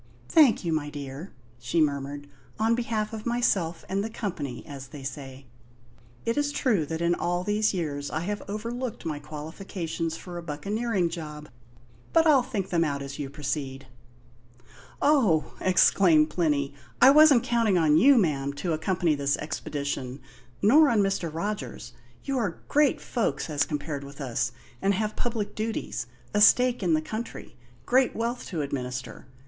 "Thank you, my dear," she murmured; "on behalf of myself and the company, as they say. It is true that in all these years I have overlooked my qualifications for a buccaneering job; but I'll think them out as you proceed." "Oh!" exclaimed Plinny, "I wasn't counting on you, ma'am, to accompany this expedition; nor on Mr. Rogers. You are great folks as compared with us, and have public duties a stake in the country great wealth to administer.